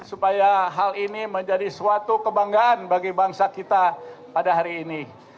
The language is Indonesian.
supaya hal ini menjadi suatu kebanggaan bagi bangsa kita pada hari ini